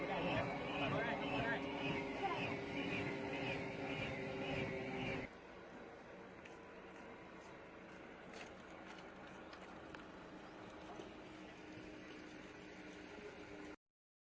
ลดมาแล้วลดมาแล้ว